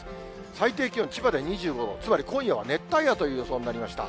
最低気温、千葉で２５度、つまり今夜は熱帯夜の予想となりました。